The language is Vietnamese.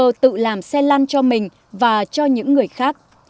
ông đã tự làm xe lăn cho mình và cho những người khác